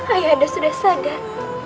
ayah anda sudah sadar